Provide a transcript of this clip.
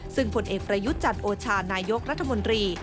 ซึ่งผลเอกประยุทธ์จันโอชานายกรัฐมนตรี